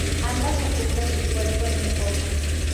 Ambas ocultan su cuerpo en un pozo.